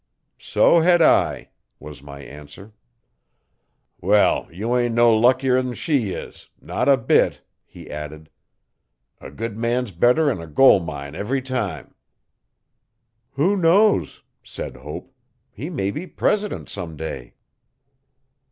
'So had I,' was my answer. 'Wall, you am'no luckier 'n she is not a bit,' he added. 'A good man's better 'n a gol'mine ev'ry time. 'Who knows,' said Hope. 'He may be president someday.